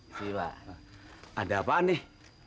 sisi pak ada apaan nih